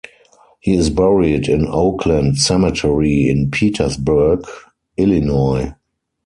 He is buried in Oakland cemetery in Petersburg, Illinois.